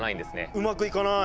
うまくいかない。